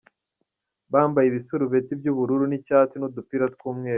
Bambaye ibisurubeti by’ubururu n’icyatsi n’udupira tw’umweru….